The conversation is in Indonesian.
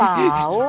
eh ibu tahu